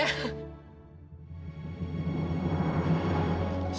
alhamdulillah eyang udah sadar ya